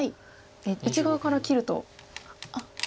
内側から切ると。